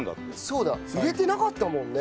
そうだ入れてなかったもんね。